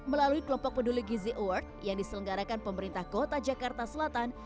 melalui kelompok peduli gizi award yang diselenggarakan pemerintah kota jakarta selatan